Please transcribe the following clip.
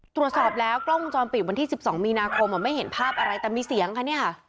ตรวจสอบแล้วกล้องวงจรปิดวันที่๑๒มีนาคมไม่เห็นภาพอะไรแต่มีเสียงคะเนี่ยค่ะ